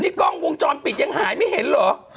นี่กล้องวงจรปิดยังหายไม่เห็นเหรอ